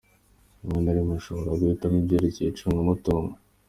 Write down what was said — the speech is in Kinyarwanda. Rimwe na rimwe ashobora guhitamo ibyerekeye icungamutungo.